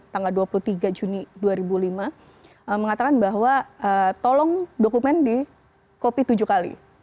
tanggal dua puluh tiga juni dua ribu lima mengatakan bahwa tolong dokumen di copy tujuh kali